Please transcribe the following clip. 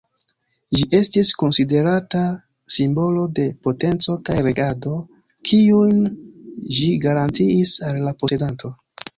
Ĝi estis konsiderata simbolo de potenco kaj regado, kiujn ĝi garantiis al la posedanto.